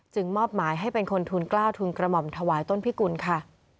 มอบหมายให้เป็นคนทุนกล้าวทุนกระหม่อมถวายต้นพิกุลค่ะ